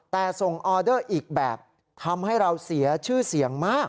แต่ส่งออเดอร์อีกแบบทำให้เราเสียชื่อเสียงมาก